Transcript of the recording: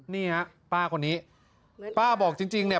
พ่อไปฟังหน่อยครับ